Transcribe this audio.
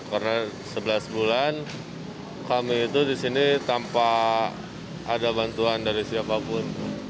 karena sebelas bulan kami itu disini tanpa ada bantuan dari siapapun